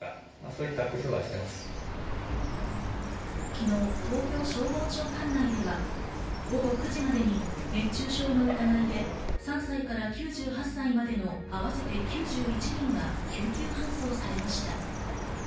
昨日、東京消防庁管内では午後９時までに熱中症の疑いで、３歳から９８歳までの合わせて９１人が救急搬送されました。